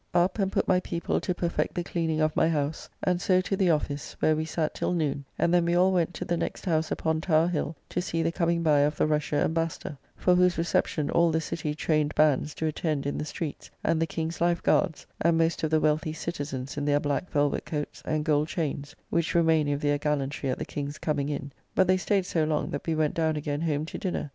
Up, and put my people to perfect the cleaning of my house, and so to the office, where we sat till noon; and then we all went to the next house upon Tower Hill, to see the coming by of the Russia Embassador; for whose reception all the City trained bands do attend in the streets, and the King's life guards, and most of the wealthy citizens in their black velvet coats, and gold chains (which remain of their gallantry at the King's coming in), but they staid so long that we went down again home to dinner.